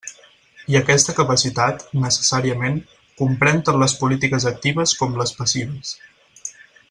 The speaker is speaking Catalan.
I aquesta capacitat, necessàriament, comprèn tant les polítiques actives com les passives.